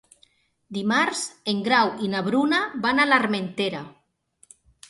Dimarts en Grau i na Bruna van a l'Armentera.